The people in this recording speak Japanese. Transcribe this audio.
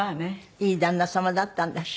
いい旦那様だったんだし。